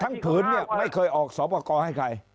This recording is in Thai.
ทั้งผืนเนี่ยไม่เคยออกสวปกรให้ใคร